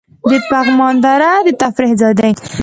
د پغمان دره د تفریح ځای دی